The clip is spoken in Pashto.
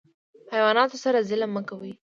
حیواناتو سره ظلم مه کوئ